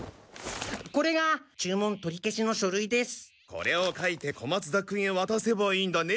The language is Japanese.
これを書いて小松田君へわたせばいいんだね。